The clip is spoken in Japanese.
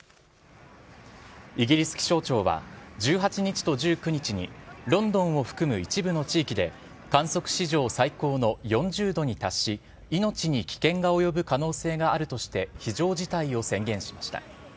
イギリス気象庁は、１８日と１９日に、ロンドンを含む一部の地域で、観測史上最高の４０度に達し、命に危険が及ぶ可能性があるとして非常事態を宣言しました。